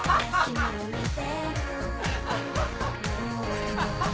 アハハハ！